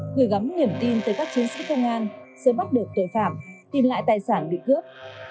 gửi gắm niềm tin tới các chiến sĩ công an sớm bắt được tội phạm tìm lại tài sản bị cướp